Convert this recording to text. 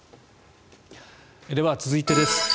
では、続いてです。